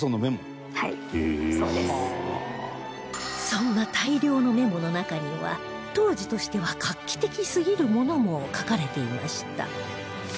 そんな大量のメモの中には当時としては画期的すぎるものも書かれていました